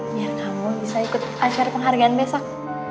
biar kamu bisa ikut acara penghargaan besok